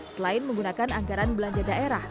selain menggunakan anggaran belanja daerah